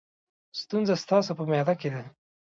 ستونزه ستاسو په معده کې ده.